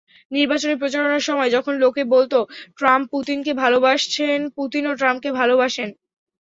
নির্বাচনী প্রচারণার সময় যখন লোকে বলত, ট্রাম্প পুতিনকে ভালোবাসেন, পুতিনও ট্রাম্পকে ভালোবাসেন।